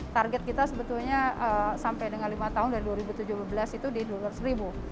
target kita sebetulnya sampai dengan lima tahun dari dua ribu tujuh belas itu di dua ratus ribu